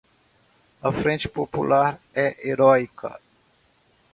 A Frente Popular é heroica